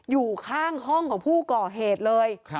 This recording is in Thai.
อยู่ข้างห้องของผู้ก่อเหตุเลย